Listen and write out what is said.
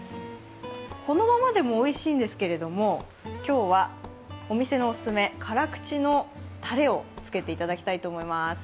このままでもおいしいんですけれども、今日はお店のオススメ、辛口のたれをつけていただきたいと思います。